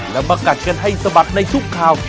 แล้วมากัดกันให้สะบัดในทุกข่าว